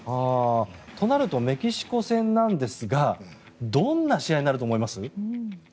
となるとメキシコ戦なんですがどんな試合になると思います？